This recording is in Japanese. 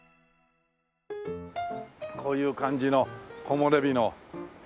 こういう感じの木漏れ日の。